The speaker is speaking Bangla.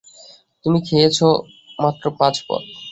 তুমি খেয়েছ মাত্র পাঁচ পদ।